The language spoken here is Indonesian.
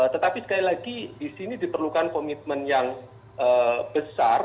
tetapi sekali lagi di sini diperlukan komitmen yang besar